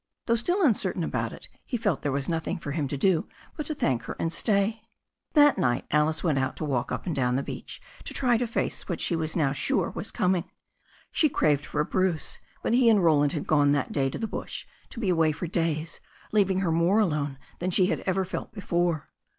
Though still uncertain about it, he felt there was nothing for him to do but to thank her and stay. That night Alice went out to walk up and down the beach to try to face what she was now sure was coming. She craved for Bruce, but he and Roland had gone that day to the bush to be away for days, leaving her more alone than she had ever felt before.